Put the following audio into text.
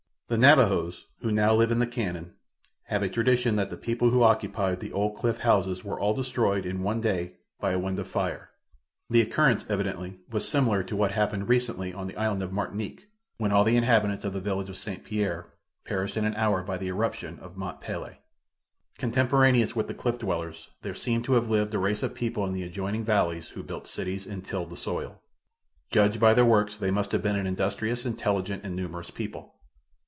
The Navajos, who now live in the canon, have a tradition that the people who occupied the old cliff houses were all destroyed in one day by a wind of fire. The occurrence, evidently, was similar to what happened recently on the island of Martinique, when all the inhabitants of the village of St. Pierre perished in an hour by the eruption of Mont Pelee. Contemporaneous with the cliff dwellers there seems to have lived a race of people in the adjoining valleys who built cities and tilled the soil. Judged by their works they must have been an industrious, intelligent and numerous people.